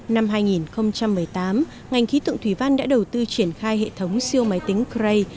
năm hai nghìn một mươi tám ngành khí tượng thủy văn đã đầu tư triển khai hệ thống siêu máy tính cray